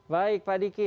baik pak diki